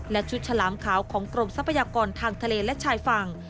และชุดฉลามขาวของกรมทรัพยากรทางทะเลและชายฝั่ง